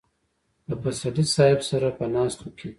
له پسرلي صاحب سره په ناستو کې.